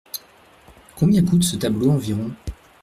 Combien coûte ce tableau environ ?